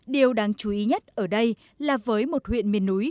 điều đáng chú ý nhất ở đây là với một huyện miền núi